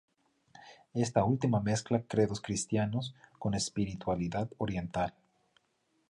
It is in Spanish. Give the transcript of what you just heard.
Esta última mezcla credos cristianos con espiritualidad oriental.